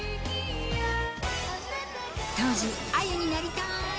当時、あゆになりたい！